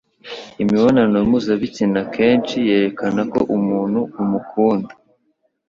Imibonano mpuzabitsina akenshi yerekana ko umuntu umukunda